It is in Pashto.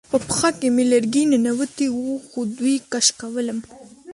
په پښه کې مې لرګی ننوتی و خو دوی کش کولم